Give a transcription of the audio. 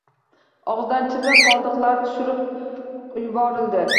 Og’zidagi chivin qoldiqlarini tushirib yubordi.